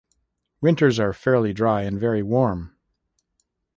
Winters are fairly dry and very warm.